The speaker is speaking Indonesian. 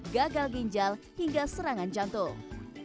gagal ginjal hingga serangan jantung